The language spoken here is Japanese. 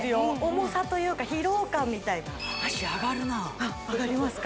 重さというか疲労感みたいなあっ上がりますか？